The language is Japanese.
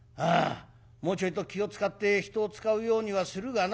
もうちょいと気を使って人を使うようにはするがな